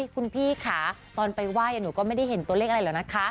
คุณพี่ค่ะตอนไปไหว้หนูก็ไม่ได้เห็นตัวเลขอะไรหรอกนะคะ